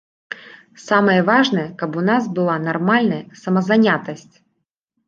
Самае важнае, каб у нас была нармальная самазанятасць.